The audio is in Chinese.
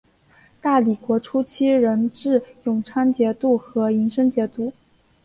大理国初期仍置永昌节度和银生节度。